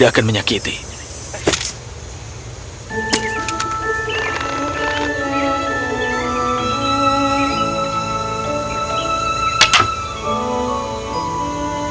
aku akan mencari panggilan ilario